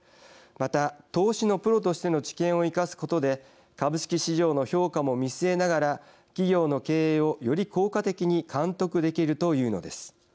また、投資のプロとしての知見を生かすことで株式市場の評価も見据えながら企業の経営をより効果的に監督できるというのです。